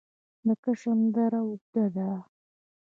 د کشم دره اوږده ده